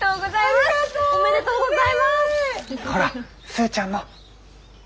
ほらスーちゃんも。